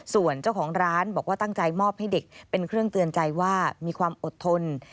ส่วนเจ้าของร้านบอกว่าตั้งใจมอบให้เด็กเป็นเครื่องเตือนใจว่ามีความอดทน